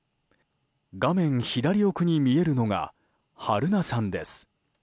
画面左奥に見えるのが榛名山です。